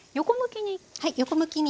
横向きに。